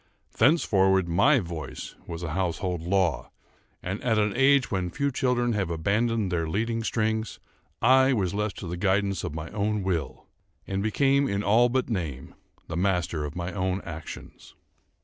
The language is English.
Thenceforward my voice was a household law; and at an age when few children have abandoned their leading strings, I was left to the guidance of my own will, and became, in all but name, the master of my own actions.